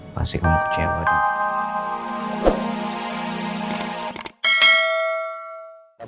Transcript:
pasti kamu kecewa